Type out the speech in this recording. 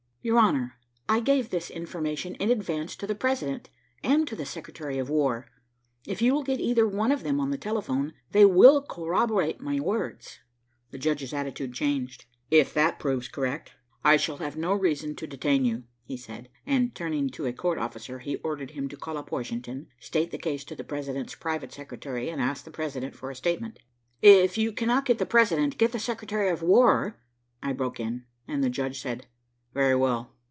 "Your honor, I gave this information in advance to the President and to the Secretary of War. If you will get either one of them on the telephone, they will corroborate my words." The judge's attitude changed. "If that proves correct, I shall have no reason to detain you," he said, and, turning to a court officer, he ordered him to call up Washington, state the case to the President's private secretary, and ask the President for a statement. "If you cannot get the President, get the Secretary of War," I broke in, and the judge said, "Very well."